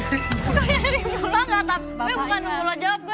gue bukan nunggu lo jawab gue